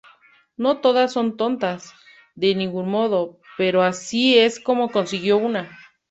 No todas son tontas, de ningún modo, pero así es como consiguió una.